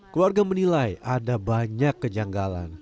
keluarga menilai ada banyak kejanggalan